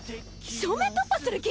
⁉正面突破する気？